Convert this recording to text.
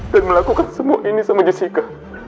dan melakukan semua ini sama jessica